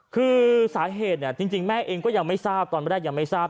คือสาเหตุเนี่ยจริงแม่เองก็ยังไม่ทราบตอนแรกยังไม่ทราบ